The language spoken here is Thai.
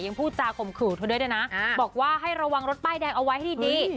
ยังพูดจาขมขื่อเธอด้วยด้วยนะอ่าบอกว่าให้ระวังรถใบดแดงเอาไว้ให้ดีดี